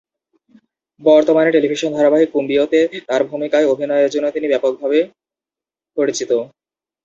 বর্তমানে টেলিভিশন ধারাবাহিক "কুম্বিও"-তে তার ভূমিকায় অভিনয়ের জন্য তিনি ব্যাপকভাবে পরিচিত।